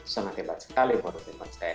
sangat hebat sekali menurut hemat saya